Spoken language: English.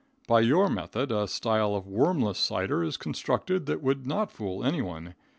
By your method, a style of wormless cider is constructed that would not fool anyone.